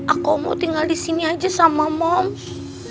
aku mau tinggal disini aja sama moms